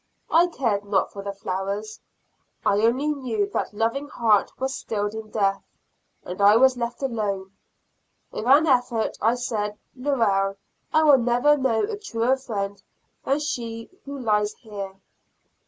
I cared not for the flowers, I only knew that loving heart was stilled in death, and I was left alone; with an effort, I said, "Lorelle will never know a truer friend than she who lies here."